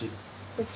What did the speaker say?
こっち？